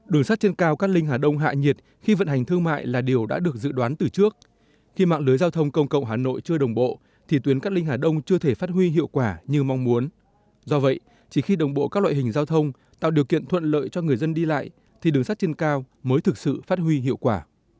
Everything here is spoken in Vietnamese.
đường sắt trên cao cát linh hà đông hạ nhiệt khi vận hành thương mại là điều đã được dự đoán từ trước khi mạng lưới giao thông công cộng hà nội chưa đồng bộ thì tuyến cát linh hà đông chưa thể phát huy hiệu quả như mong muốn do vậy chỉ khi đồng bộ các loại hình giao thông tạo điều kiện thuận lợi cho người dân đi lại thì đường sắt trên cao mới thực sự phát huy hiệu quả